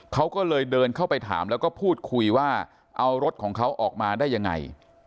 เขาก็เลยเดินเข้าไปถามแล้วก็พูดคุยว่าเอารถของเขาออกมาได้ยังไง